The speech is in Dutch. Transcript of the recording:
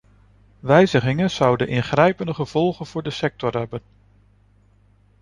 Wijzigingen zouden ingrijpende gevolgen voor de sector hebben.